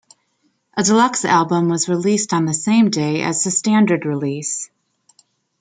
A deluxe album was released on the same day as the standard release.